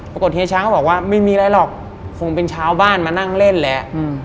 เฮียช้างก็บอกว่าไม่มีอะไรหรอกคงเป็นชาวบ้านมานั่งเล่นแหละ